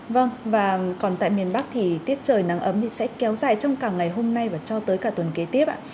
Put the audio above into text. vâng và còn tại miền bắc thì tiết trời nắng ấm thì sẽ kéo dài trong cả ngày hôm nay và cho tới cả tuần kế tiếp ạ